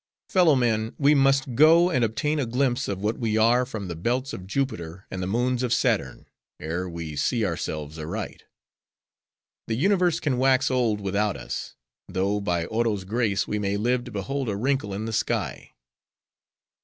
"'Fellow men! we must go, and obtain a glimpse of what we are from the Belts of Jupiter and the Moons of Saturn, ere we see ourselves aright. The universe can wax old without us; though by Oro's grace we may live to behold a wrinkle in the sky.